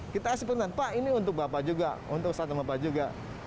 kita kasih pesan pak ini untuk bapak juga untuk satu bapak juga